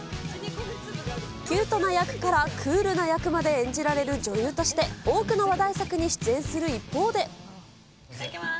キュートな役からクールな役まで演じられる女優として多くのいただきます。